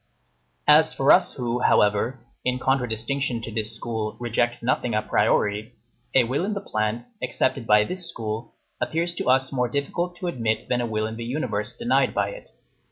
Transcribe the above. As for us, who, however, in contradistinction to this school, reject nothing a priori, a will in the plant, accepted by this school, appears to us more difficult to admit than a will in the universe denied by it.